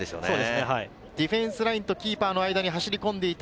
ディフェンスラインとキーパーの間に走り込んでいた。